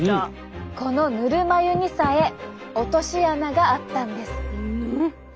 このぬるま湯にさえ落とし穴があったんです。